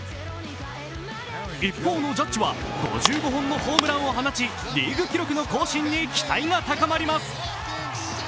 一方のジャッジは５５本のホームランを放ちリーグ記録の更新に期待がかかります。